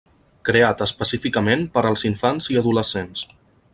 Creat específicament per als infants i adolescents.